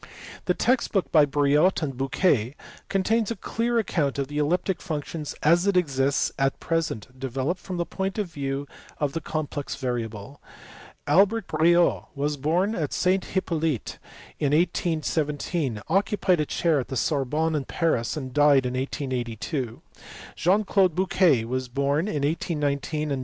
The text book by Briot and Bouquet contains a clear account of elliptic functions as it exists at present, developed from the point of view of the complex variable. Albert Briot was born at St Hippolyte in 1817, occupied a chair at the Sorbonne in Paris, and died in 1882 : Jean Claude Bouquet was born in 1819, and died in Paris in 1885.